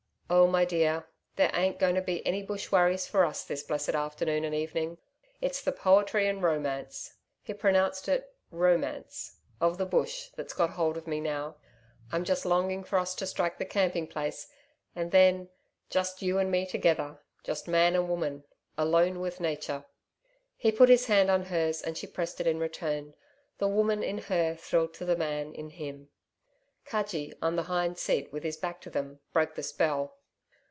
'Oh, my dear, there ain't going to be any bush worries for us this blessed afternoon and evening. It's the poetry and romance' he pronounced it romance 'of the bush that's got hold of me now. I'm just longing for us to strike the camping place and then just you and me together just man and woman alone with Nature!' He put his hand on hers and she pressed it in return. The Woman in her thrilled to the Man in him. Cudgee, on the hind seat with his back to them, broke the spell.